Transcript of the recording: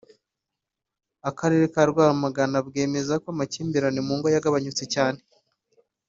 Akarere ka Rwamagana bwemeza ko amakimbirane mu ngo yagabanutse cyane